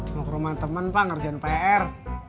mau ke rumah teman pak ngerjain pr